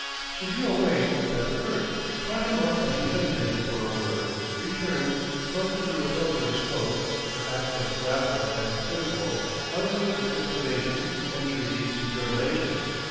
She drew away, as if hurt, caught him up as he hesitated for a word, returned, clung to the lapels of his coat, her accents rapid and pitiful, eloquent of explanation, entreaty, determination.